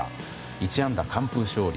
１安打完封勝利。